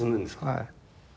はい。